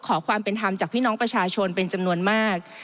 ขอความเป็นธรรมจากพี่น้องประชาชนเป็นจำนวนมาก